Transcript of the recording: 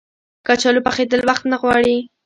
کچالو پخېدل وخت نه غواړي